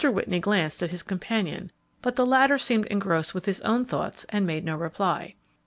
Whitney glanced at his companion, but the latter seemed engrossed with his own thoughts and made no reply.